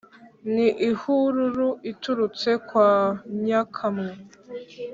N’ ihururu iturutse kwa Nyakamwe.